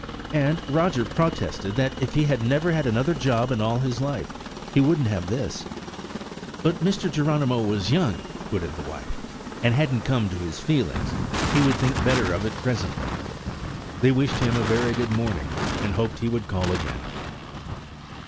And Roger protested that if he never had another job in all his life, he wouldn't have this. But Mr. Geronimo was young, put in the wife, and hadn't come to his feelings; he would think better of it presently. They wished him a very good morning, and hoped he would call again.